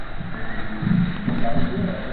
Aydi-nnek yettaɣ awal?